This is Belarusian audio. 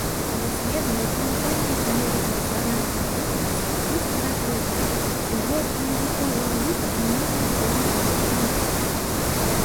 Даследаваў унікальныя калекцыі славянскіх рукапісаў і старадрукаў, увёў у навуковы ўжытак многія помнікі пісьменства.